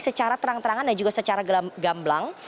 secara terang terangan dan juga secara gamblang